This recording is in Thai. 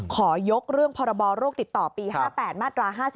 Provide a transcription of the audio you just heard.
ขอยกเรื่องพรบโรคติดต่อปี๕๘มาตรา๕๔